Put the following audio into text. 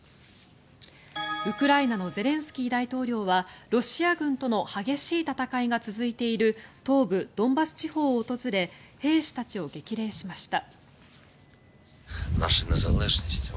ウクライナのゼレンスキー大統領はロシア軍との激しい戦いが続いている東部ドンバス地方を訪れ兵士たちを激励しました。